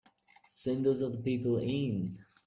Send those other people in.